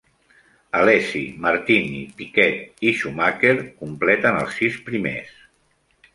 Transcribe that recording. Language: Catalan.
Alesi, Martini, piquet, i Schumacher completen els sis primers.